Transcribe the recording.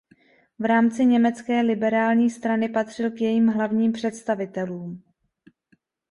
V rámci německé liberální strany patřil k jejím hlavním představitelům.